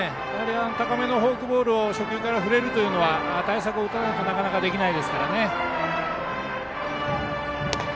高めのフォークボールを初球から振れるというのは対策を打たないとなかなかできないですからね。